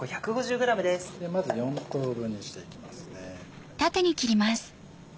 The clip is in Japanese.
まず４等分にしていきますね。